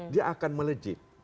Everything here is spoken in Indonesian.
dia akan melejit